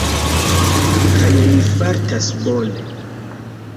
Kaj li fartas bone.